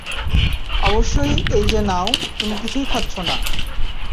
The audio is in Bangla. অবশ্যই এইযে নাও - তুমি কিছুই খাচ্ছ না।